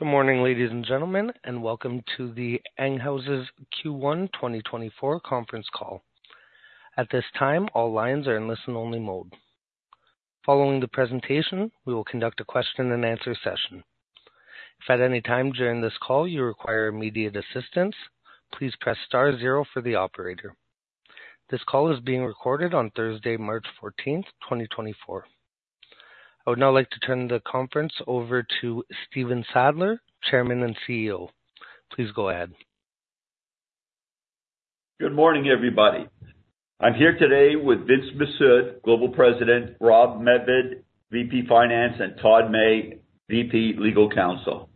Good morning, ladies and gentlemen, and welcome to the Enghouse's Q1 2024 conference call. At this time, all lines are in listen-only mode. Following the presentation, we will conduct a question and answer session. If at any time during this call you require immediate assistance, please press star zero for the operator. This call is being recorded on Thursday, March 14th, 2024. I would now like to turn the conference over to Steve Sadler, Chairman and CEO. Please go ahead. Good morning, everybody. I'm here today with Vince Mifsud, Global President, Rob Murray, VP Finance, and Todd May, VP Legal Counsel.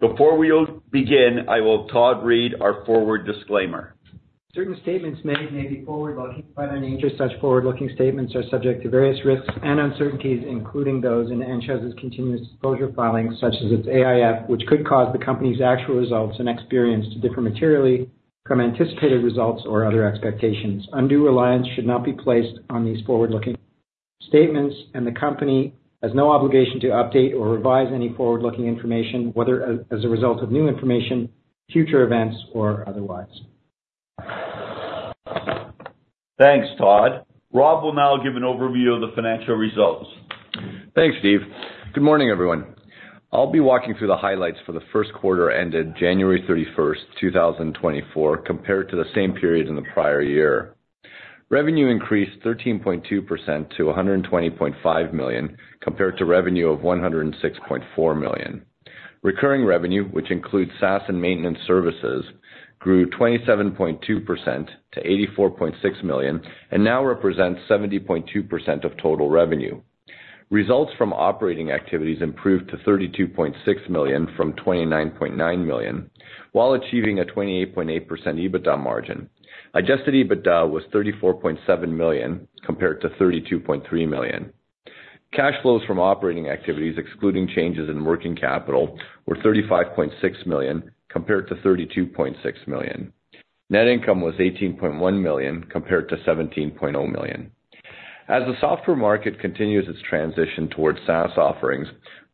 Before we'll begin, I will have Todd read our forward disclaimer. Certain statements made may be forward-looking. By their nature, such forward-looking statements are subject to various risks and uncertainties, including those in Enghouse's continuous disclosure filings, such as its AIF, which could cause the company's actual results and experience to differ materially from anticipated results or other expectations. Undue reliance should not be placed on these forward-looking statements, and the company has no obligation to update or revise any forward-looking information, whether as a result of new information, future events, or otherwise. Thanks, Todd. Rob will now give an overview of the financial results. Thanks, Steve. Good morning, everyone. I'll be walking through the highlights for the first quarter, ended January thirty-first, 2024, compared to the same period in the prior year. Revenue increased 13.2% to 120.5 million, compared to revenue of 106.4 million. Recurring revenue, which includes SaaS and maintenance services, grew 27.2% to 84.6 million and now represents 70.2% of total revenue. Results from operating activities improved to 32.6 million from 29.9 million, while achieving a 28.8% EBITDA margin. Adjusted EBITDA was 34.7 million, compared to 32.3 million. Cash flows from operating activities, excluding changes in working capital, were 35.6 million, compared to 32.6 million. Net income was 18.1 million, compared to 17.0 million. As the software market continues its transition towards SaaS offerings,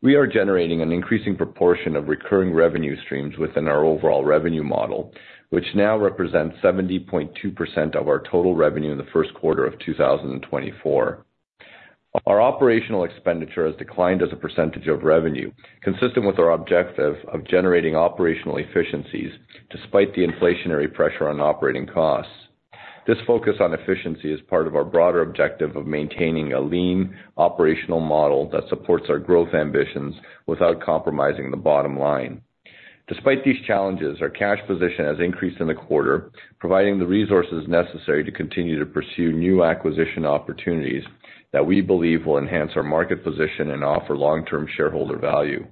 we are generating an increasing proportion of recurring revenue streams within our overall revenue model, which now represents 70.2% of our total revenue in the first quarter of 2024. Our operational expenditure has declined as a percentage of revenue, consistent with our objective of generating operational efficiencies despite the inflationary pressure on operating costs. This focus on efficiency is part of our broader objective of maintaining a lean operational model that supports our growth ambitions without compromising the bottom line. Despite these challenges, our cash position has increased in the quarter, providing the resources necessary to continue to pursue new acquisition opportunities that we believe will enhance our market position and offer long-term shareholder value.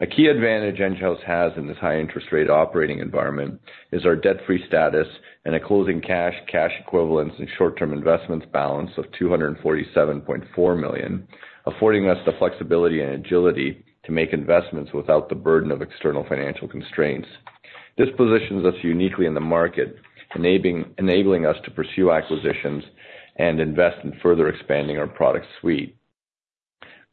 A key advantage Enghouse has in this high interest rate operating environment is our debt-free status and a closing cash, cash equivalents, and short-term investments balance of 247.4 million, affording us the flexibility and agility to make investments without the burden of external financial constraints. This positions us uniquely in the market, enabling us to pursue acquisitions and invest in further expanding our product suite.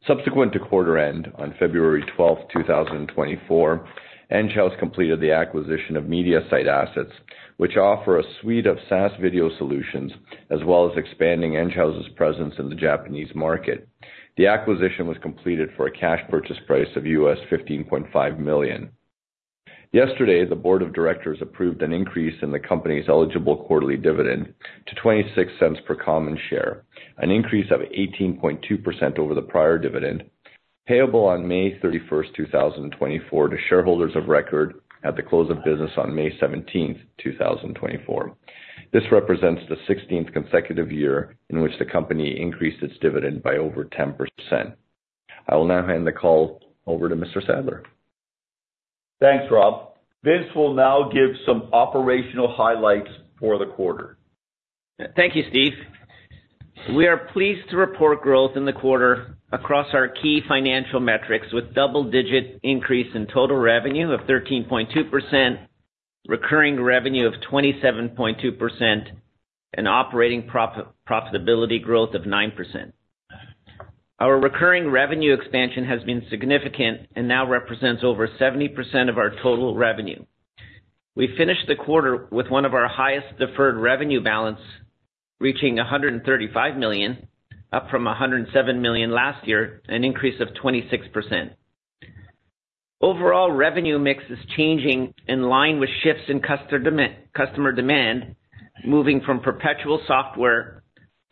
Subsequent to quarter end, on February twelfth, 2024, Enghouse completed the acquisition of Mediasite assets, which offer a suite of SaaS video solutions, as well as expanding Enghouse's presence in the Japanese market. The acquisition was completed for a cash purchase price of $15.5 million. Yesterday, the board of directors approved an increase in the company's eligible quarterly dividend to 0.26 per common share, an increase of 18.2% over the prior dividend, payable on May 31st, 2024, to shareholders of record at the close of business on May 17th, 2024. This represents the 16th consecutive year in which the company increased its dividend by over 10%. I will now hand the call over to Mr. Sadler. Thanks, Rob. Vince will now give some operational highlights for the quarter. Thank you, Steve. We are pleased to report growth in the quarter across our key financial metrics, with double-digit increase in total revenue of 13.2%, recurring revenue of 27.2%, and operating profitability growth of 9%. Our recurring revenue expansion has been significant and now represents over 70% of our total revenue. We finished the quarter with one of our highest deferred revenue balance, reaching 135 million, up from 107 million last year, an increase of 26%. Overall, revenue mix is changing in line with shifts in customer demand, moving from perpetual software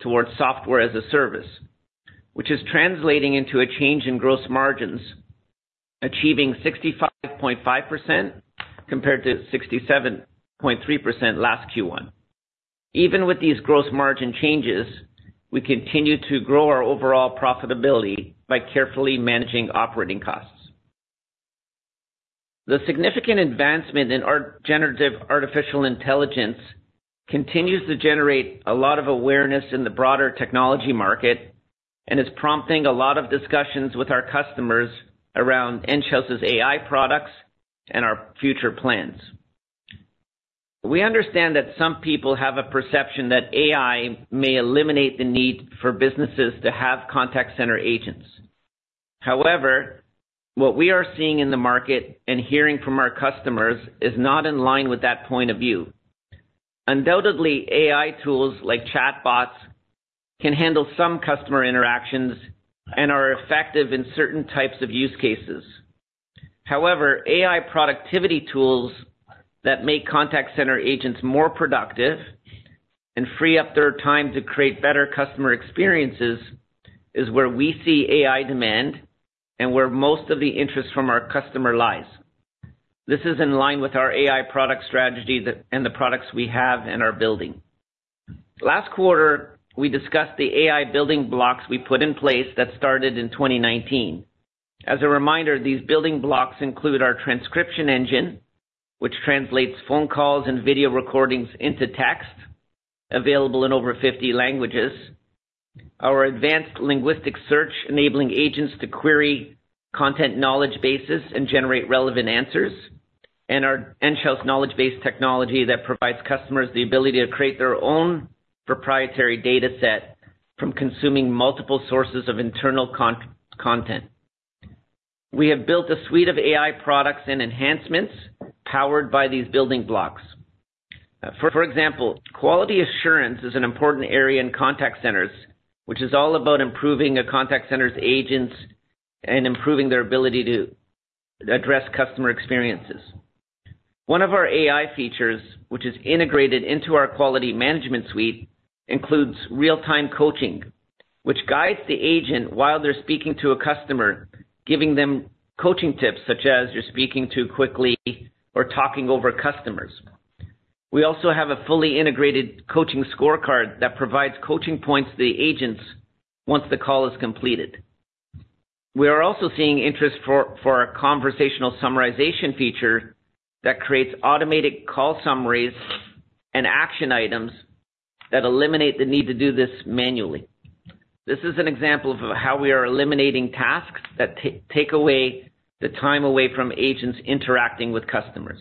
towards software as a service, which is translating into a change in gross margins, achieving 65.5% compared to 67.3% last Q1. Even with these gross margin changes, we continue to grow our overall profitability by carefully managing operating costs. The significant advancement in our generative artificial intelligence continues to generate a lot of awareness in the broader technology market and is prompting a lot of discussions with our customers around Enghouse's AI products and our future plans…. We understand that some people have a perception that AI may eliminate the need for businesses to have contact center agents. However, what we are seeing in the market and hearing from our customers is not in line with that point of view. Undoubtedly, AI tools like chatbots can handle some customer interactions and are effective in certain types of use cases. However, AI productivity tools that make contact center agents more productive and free up their time to create better customer experiences, is where we see AI demand and where most of the interest from our customer lies. This is in line with our AI product strategy that-- and the products we have and are building. Last quarter, we discussed the AI building blocks we put in place that started in 2019. As a reminder, these building blocks include our transcription engine, which translates phone calls and video recordings into text, available in over 50 languages. Our advanced linguistic search, enabling agents to query content knowledge bases and generate relevant answers, and our in-house knowledge base technology that provides customers the ability to create their own proprietary data set from consuming multiple sources of internal content. We have built a suite of AI products and enhancements powered by these building blocks. For example, quality assurance is an important area in contact centers, which is all about improving a contact center's agents and improving their ability to address customer experiences. One of our AI features, which is integrated into our quality management suite, includes real-time coaching, which guides the agent while they're speaking to a customer, giving them coaching tips, such as, "You're speaking too quickly or talking over customers." We also have a fully integrated coaching scorecard that provides coaching points to the agents once the call is completed. We are also seeing interest for our conversational summarization feature that creates automated call summaries and action items that eliminate the need to do this manually. This is an example of how we are eliminating tasks that take away the time away from agents interacting with customers.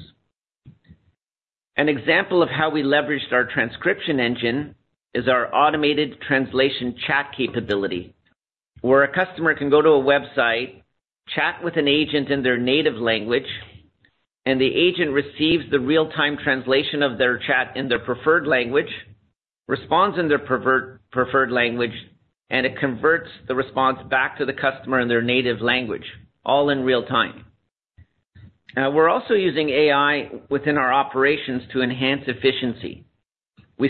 An example of how we leveraged our transcription engine is our automated translation chat capability, where a customer can go to a website, chat with an agent in their native language, and the agent receives the real-time translation of their chat in their preferred language, responds in their preferred language, and it converts the response back to the customer in their native language, all in real time. We're also using AI within our operations to enhance efficiency. We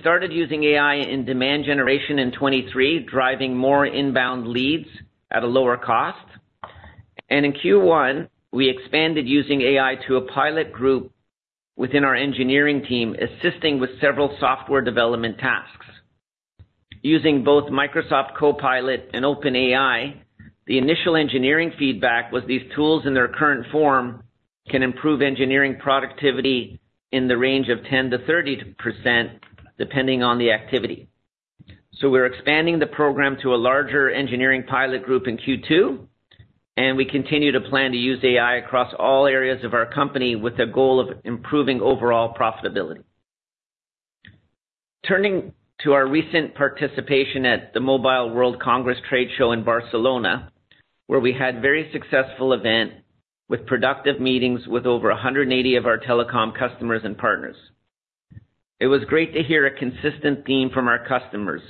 started using AI in demand generation in 2023, driving more inbound leads at a lower cost. In Q1, we expanded using AI to a pilot group within our engineering team, assisting with several software development tasks. Using both Microsoft Copilot and OpenAI, the initial engineering feedback was these tools, in their current form, can improve engineering productivity in the range of 10%-30%, depending on the activity. So we're expanding the program to a larger engineering pilot group in Q2, and we continue to plan to use AI across all areas of our company with the goal of improving overall profitability. Turning to our recent participation at the Mobile World Congress trade show in Barcelona, where we had a very successful event with productive meetings with over 180 of our telecom customers and partners. It was great to hear a consistent theme from our customers,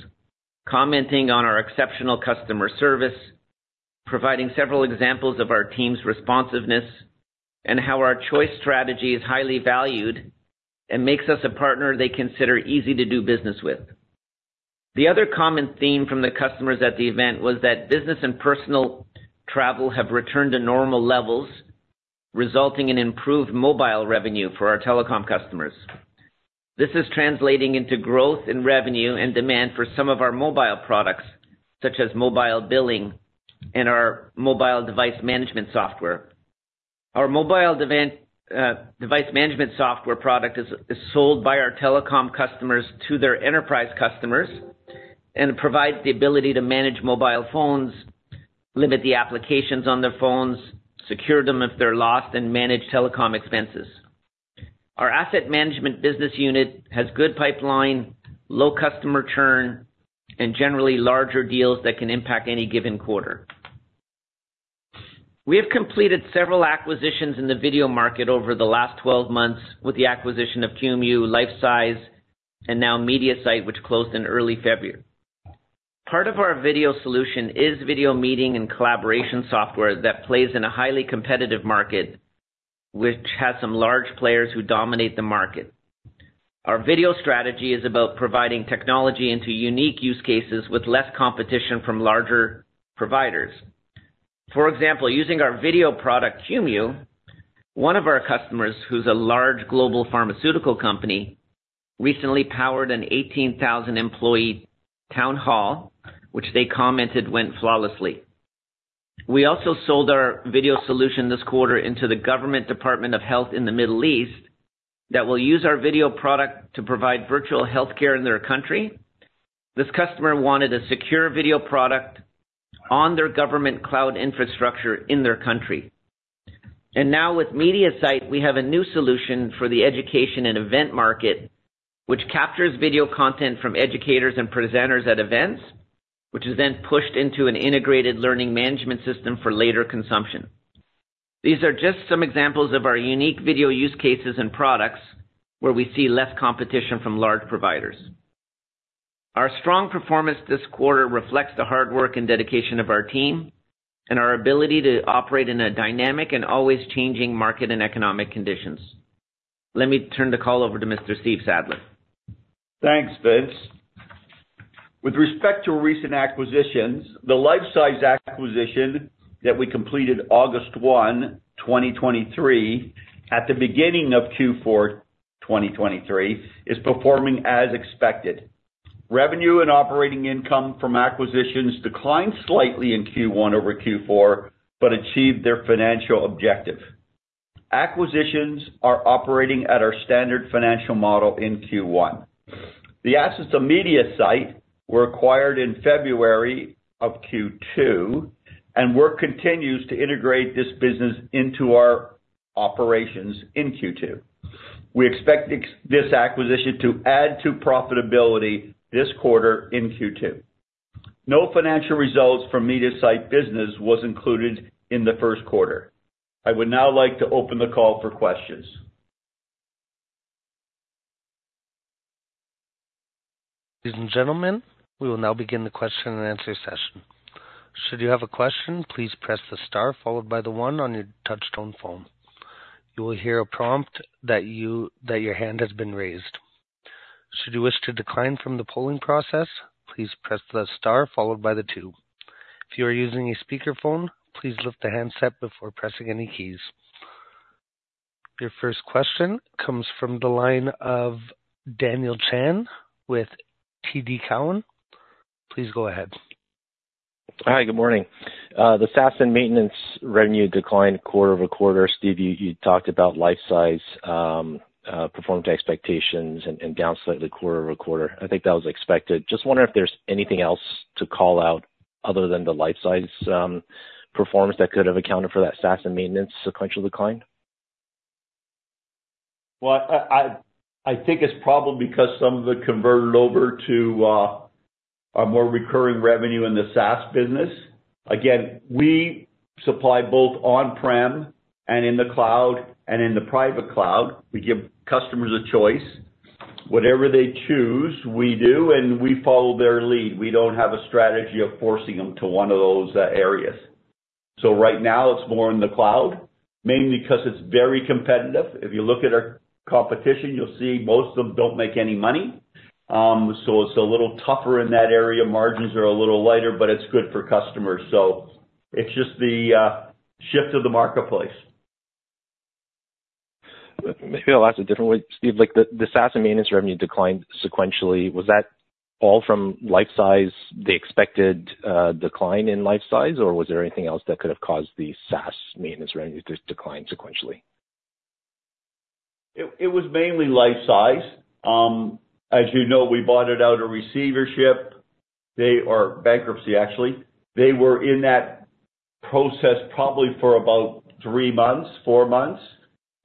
commenting on our exceptional customer service, providing several examples of our team's responsiveness, and how our choice strategy is highly valued and makes us a partner they consider easy to do business with. The other common theme from the customers at the event was that business and personal travel have returned to normal levels, resulting in improved mobile revenue for our telecom customers. This is translating into growth in revenue and demand for some of our mobile products, such as mobile billing and our mobile device management software. Our mobile device management software product is sold by our telecom customers to their enterprise customers, and it provides the ability to manage mobile phones, limit the applications on their phones, secure them if they're lost, and manage telecom expenses. Our asset management business unit has good pipeline, low customer churn, and generally larger deals that can impact any given quarter. We have completed several acquisitions in the video market over the last 12 months with the acquisition of Qumu, Lifesize, and now Mediasite, which closed in early February. Part of our video solution is video meeting and collaboration software that plays in a highly competitive market, which has some large players who dominate the market. Our video strategy is about providing technology into unique use cases with less competition from larger providers. For example, using our video product, Qumu, one of our customers, who's a large global pharmaceutical company, recently powered an 18,000-employee town hall, which they commented went flawlessly. We also sold our video solution this quarter into the Government Department of Health in the Middle East, that will use our video product to provide virtual healthcare in their country. This customer wanted a secure video product on their government cloud infrastructure in their country. Now with Mediasite, we have a new solution for the education and event market, which captures video content from educators and presenters at events, which is then pushed into an integrated learning management system for later consumption. These are just some examples of our unique video use cases and products, where we see less competition from large providers. Our strong performance this quarter reflects the hard work and dedication of our team and our ability to operate in a dynamic and always changing market and economic conditions. Let me turn the call over to Mr. Steve Sadler. Thanks, Vince. With respect to recent acquisitions, the Lifesize acquisition that we completed August 1, 2023, at the beginning of Q4 2023, is performing as expected. Revenue and operating income from acquisitions declined slightly in Q1 over Q4, but achieved their financial objective. Acquisitions are operating at our standard financial model in Q1. The assets of Mediasite were acquired in February of Q2, and work continues to integrate this business into our operations in Q2. We expect this acquisition to add to profitability this quarter in Q2. No financial results from Mediasite business was included in the first quarter. I would now like to open the call for questions. Ladies and gentlemen, we will now begin the question and answer session. Should you have a question, please press the star followed by the one on your touchtone phone. You will hear a prompt that your hand has been raised. Should you wish to decline from the polling process, please press the star followed by the two. If you are using a speakerphone, please lift the handset before pressing any keys. Your first question comes from the line of Daniel Chan with TD Cowen. Please go ahead. Hi, good morning. The SaaS and maintenance revenue declined quarter-over-quarter. Steve, you, you talked about Lifesize, performed to expectations and, and down slightly quarter-over-quarter. I think that was expected. Just wondering if there's anything else to call out other than the Lifesize performance that could have accounted for that SaaS and maintenance sequential decline? Well, I think it's probably because some of it converted over to a more recurring revenue in the SaaS business. Again, we supply both on-prem and in the cloud and in the private cloud. We give customers a choice. Whatever they choose, we do, and we follow their lead. We don't have a strategy of forcing them to one of those areas. So right now it's more in the cloud, mainly because it's very competitive. If you look at our competition, you'll see most of them don't make any money. So it's a little tougher in that area. Margins are a little lighter, but it's good for customers. So it's just the shift of the marketplace. Maybe I'll ask a different way, Steve. Like, the SaaS and maintenance revenue declined sequentially. Was that all from Lifesize, the expected decline in Lifesize, or was there anything else that could have caused the SaaS maintenance revenue to decline sequentially? It was mainly Lifesize. As you know, we bought it out of receivership. Or bankruptcy, actually. They were in that process probably for about three months, four months.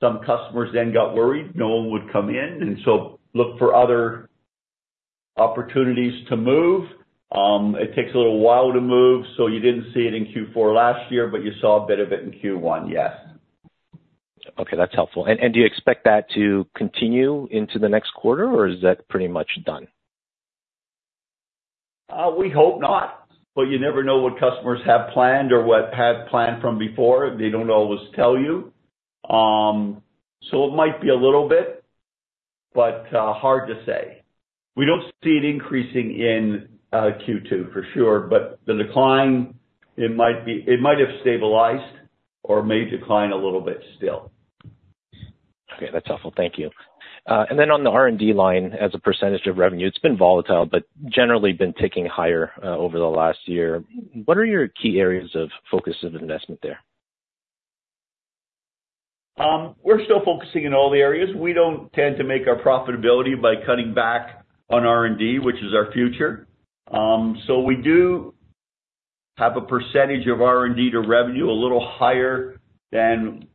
Some customers then got worried no one would come in, and so looked for other opportunities to move. It takes a little while to move, so you didn't see it in Q4 last year, but you saw a bit of it in Q1, yes. Okay, that's helpful. And do you expect that to continue into the next quarter, or is that pretty much done? We hope not, but you never know what customers have planned or what had planned from before. They don't always tell you. So it might be a little bit, but hard to say. We don't see it increasing in Q2 for sure, but the decline, it might have stabilized or may decline a little bit still. Okay, that's helpful. Thank you. And then on the R&D line, as a percentage of revenue, it's been volatile, but generally been ticking higher, over the last year. What are your key areas of focus of investment there? We're still focusing in all the areas. We don't tend to make our profitability by cutting back on R&D, which is our future. So we do have a percentage of R&D to revenue, a little higher than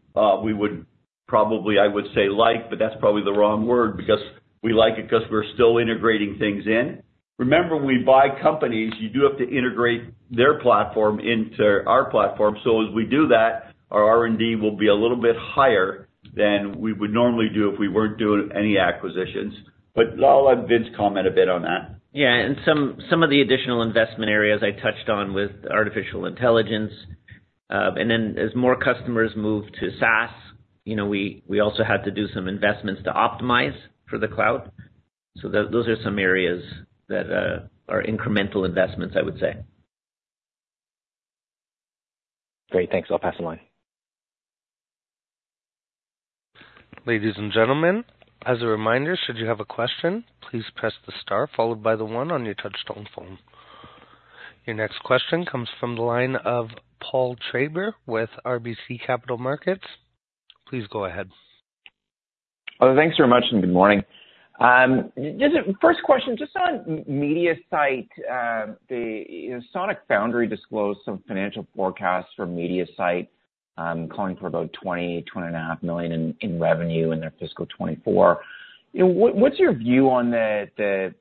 we would probably, I would say, like, but that's probably the wrong word, because we like it, because we're still integrating things in. Remember, when we buy companies, you do have to integrate their platform into our platform. So as we do that, our R&D will be a little bit higher than we would normally do if we weren't doing any acquisitions. But I'll let Vince comment a bit on that. Yeah, and some of the additional investment areas I touched on with artificial intelligence. And then as more customers move to SaaS, you know, we also had to do some investments to optimize for the cloud. So those are some areas that are incremental investments, I would say. Great. Thanks. I'll pass the line. Ladies and gentlemen, as a reminder, should you have a question, please press the star followed by the one on your touchtone phone. Your next question comes from the line of Paul Treiber with RBC Capital Markets. Please go ahead.... Oh, thanks very much, and good morning. Just first question, just on Mediasite, the, you know, Sonic Foundry disclosed some financial forecasts for Mediasite, calling for about $20 million-$20.5 million in revenue in their fiscal 2024. You know, what, what's your view on the, the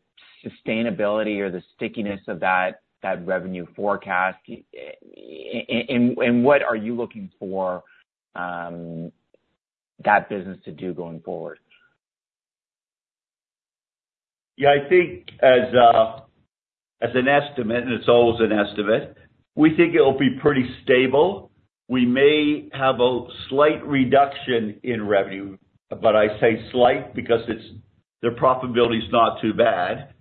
sustainability or the stickiness of that, that revenue forecast? And, and what are you looking for, that business to do going forward? Yeah, I think as, as an estimate, and it's always an estimate, we think it'll be pretty stable. We may have a slight reduction in revenue, but I say slight because it's their profitability is not too bad.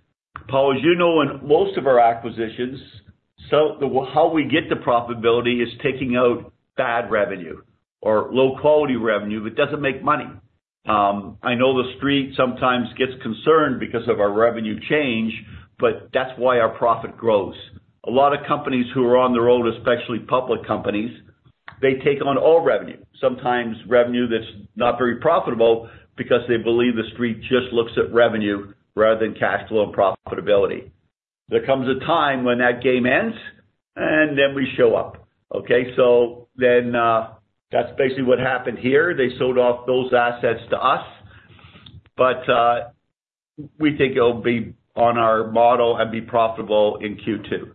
Paul, as you know, in most of our acquisitions, how we get to profitability is taking out bad revenue or low-quality revenue that doesn't make money. I know the Street sometimes gets concerned because of our revenue change, but that's why our profit grows. A lot of companies who are on their own, especially public companies, they take on all revenue, sometimes revenue that's not very profitable, because they believe the Street just looks at revenue rather than cash flow and profitability. There comes a time when that game ends, and then we show up, okay? So then, that's basically what happened here. They sold off those assets to us, but, we think it'll be on our model and be profitable in Q2.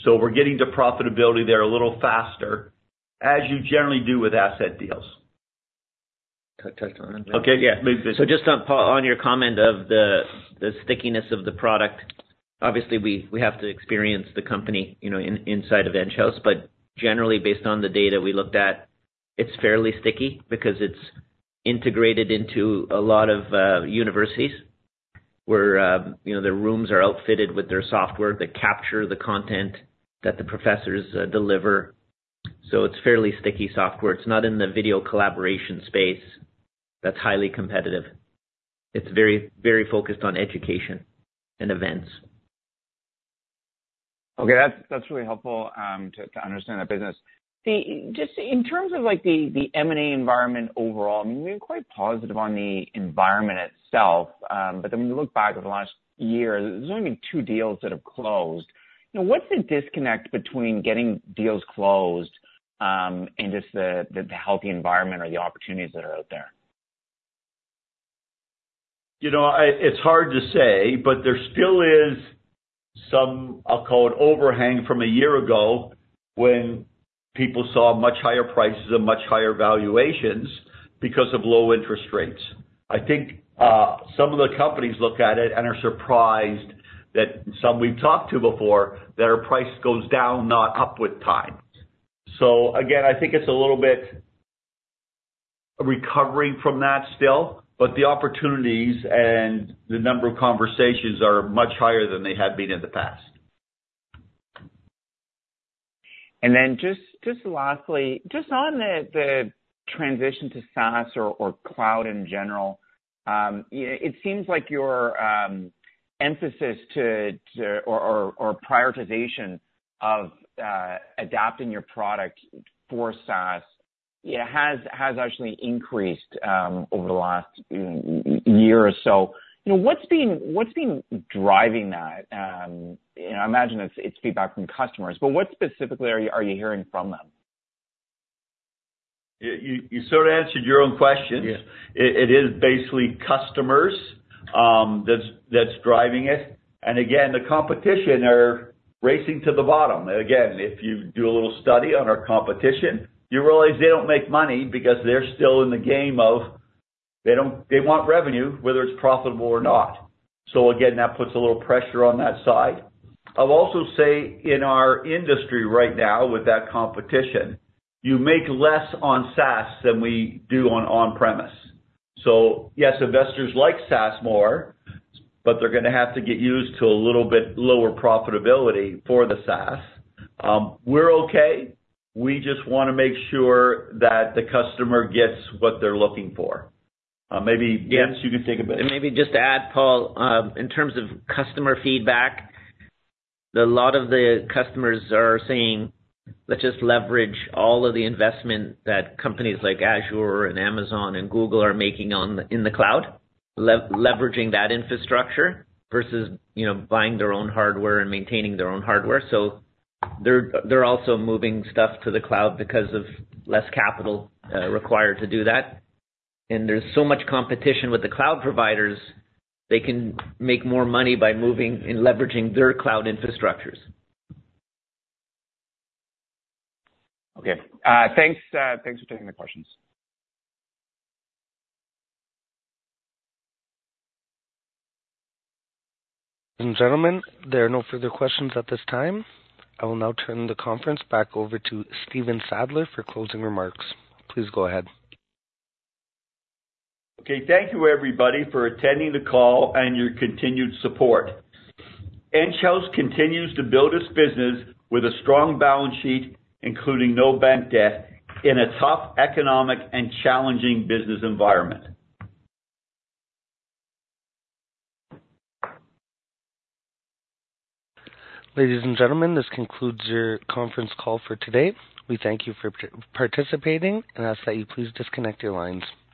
So we're getting to profitability there a little faster, as you generally do with asset deals. Can I touch on that? Okay, yeah. So just on, Paul, on your comment of the stickiness of the product, obviously, we have to experience the company, you know, inside of Enghouse, but generally, based on the data we looked at, it's fairly sticky because it's integrated into a lot of universities, where you know, the rooms are outfitted with their software that capture the content that the professors deliver. So it's fairly sticky software. It's not in the video collaboration space that's highly competitive. It's very, very focused on education and events. Okay, that's really helpful to understand that business. Just in terms of, like, the M&A environment overall, I mean, you're quite positive on the environment itself, but then when you look back over the last year, there's only been two deals that have closed. You know, what's the disconnect between getting deals closed and just the healthy environment or the opportunities that are out there? You know, I... It's hard to say, but there still is some, I'll call it, overhang from a year ago, when people saw much higher prices and much higher valuations because of low interest rates. I think, some of the companies look at it and are surprised that some we've talked to before, that our price goes down, not up with time. So again, I think it's a little bit recovering from that still, but the opportunities and the number of conversations are much higher than they had been in the past. And then just lastly, just on the transition to SaaS or cloud in general, you know, it seems like your emphasis or prioritization of adapting your product for SaaS, yeah, has actually increased over the last year or so. You know, what's been driving that? You know, I imagine it's feedback from customers, but what specifically are you hearing from them? You sort of answered your own question. Yeah. It is basically customers, that's driving it. Again, the competition are racing to the bottom. Again, if you do a little study on our competition, you realize they don't make money because they're still in the game of they want revenue, whether it's profitable or not. Again, that puts a little pressure on that side. I'll also say, in our industry right now, with that competition, you make less on SaaS than we do on on-premise. Yes, investors like SaaS more, but they're gonna have to get used to a little bit lower profitability for the SaaS. We're okay. We just wanna make sure that the customer gets what they're looking for. Maybe- Yeah. Vince, you can take a bit. Maybe just to add, Paul, in terms of customer feedback, a lot of the customers are saying, "Let's just leverage all of the investment that companies like Azure and Amazon and Google are making in the cloud," leveraging that infrastructure versus, you know, buying their own hardware and maintaining their own hardware. So they're also moving stuff to the cloud because of less capital required to do that. And there's so much competition with the cloud providers, they can make more money by moving and leveraging their cloud infrastructures. Okay. Thanks, thanks for taking the questions. Ladies and gentlemen, there are no further questions at this time. I will now turn the conference back over to Steve Sadler for closing remarks. Please go ahead. Okay, thank you, everybody, for attending the call and your continued support. Enghouse continues to build its business with a strong balance sheet, including no bank debt, in a tough economic and challenging business environment. Ladies and gentlemen, this concludes your conference call for today. We thank you for participating and ask that you please disconnect your lines.